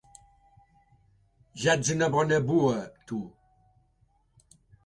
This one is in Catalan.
Ja ets una bona bua, tu!